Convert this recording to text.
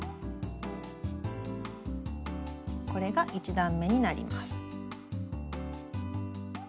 これが１段めになります。